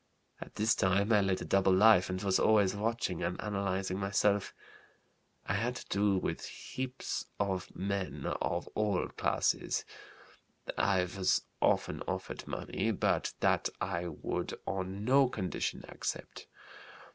At this time I led a double life and was always watching and analyzing myself. I had to do with heaps of men of all classes. I was often offered money, but that I would on no condition accept.